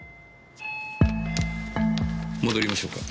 戻りましょうか。